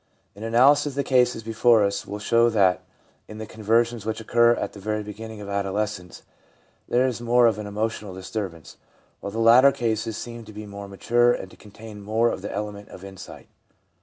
An analysis of the cases before us will show that in the conversions which occur at the very beginning of adolescence there is more of an emotional disturbance, while the later cases seem to be more mature and to contain more of the element of insight.